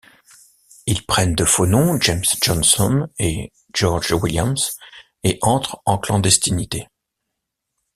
Ils prennent de faux noms, James Johnson et George Williams, et entrent en clandestinité.